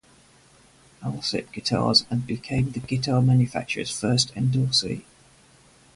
Alsip Guitars and became the guitar manufacturer's first endorsee.